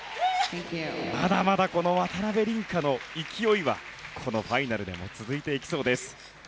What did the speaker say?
まだまだこの渡辺倫果の勢いはこのファイナルでも続いていきそうです。